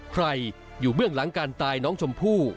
ใครอยู่เบื้องหลังการตายน้องชมพู่